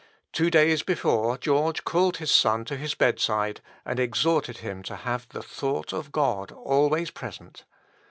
Two days before, George called his son to his bed side, and exhorted him to have the thought of God always present.